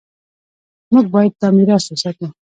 موږ باید دا میراث وساتو.